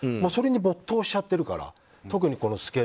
それに没頭しちゃってるから。